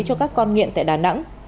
cho các con nghiện tại đà nẵng